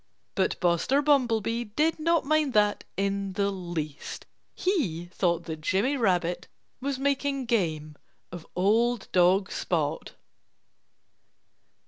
But Buster Bumblebee did not mind that in the least. He thought that Jimmy Rabbit was making game of old dog Spot.